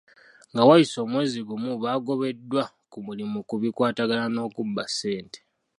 Nga wayise omwezi gumu baagobebwa ku mulimu ku bikwatagana n'okubba ssente.